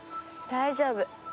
大丈夫。